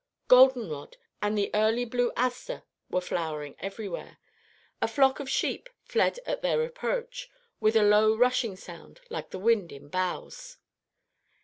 Golden rod and the early blue aster were flowering everywhere. A flock of sheep fled at their approach, with a low rushing sound like the wind in boughs.